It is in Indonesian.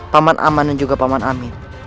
paman aman dan juga paman amin